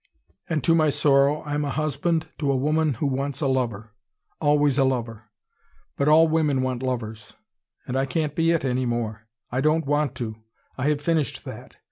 And to my sorrow I am a husband to a woman who wants a lover: always a lover. But all women want lovers. And I can't be it any more. I don't want to. I have finished that.